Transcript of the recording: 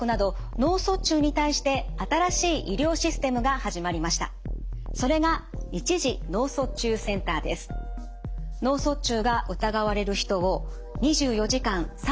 脳卒中が疑われる人を２４時間・３６５日